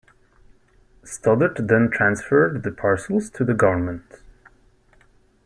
Stoddert then transferred the parcels to the government.